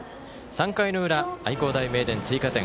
３回の裏、愛工大名電、追加点。